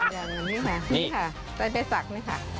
อย่างนี้แหละนี่ค่ะไซไบสักเนี่ยค่ะ